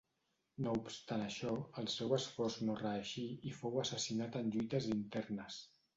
No obstant això, el seu esforç no reeixí i fou assassinat en lluites internes.